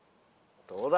どうだ？